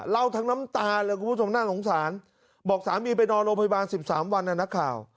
เล่าทั้งน้ำตาเลยคุณผู้ชมน่าสงสารบอกสามีไปนอนโรงพยาบาล๑๓วันนะนักข่าว